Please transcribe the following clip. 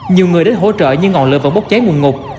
nhiều người đến hỗ trợ nhưng ngọn lửa vẫn bốc cháy nguồn ngục